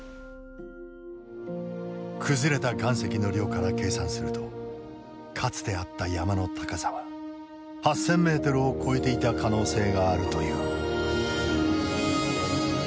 崩れた岩石の量から計算するとかつてあった山の高さは８，０００ｍを超えていた可能性があるという。